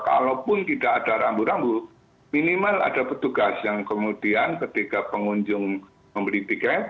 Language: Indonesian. kalaupun tidak ada rambu rambu minimal ada petugas yang kemudian ketika pengunjung membeli tiket